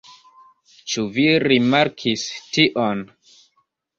Ĉu vi rimarkis tion?